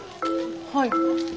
はい。